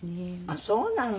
あっそうなの。